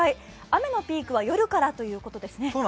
雨のピークは夜からということですね。